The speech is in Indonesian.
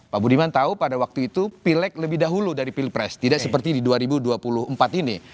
pak budiman tahu pada waktu itu pilek lebih dahulu dari pilpres tidak seperti di dua ribu dua puluh empat ini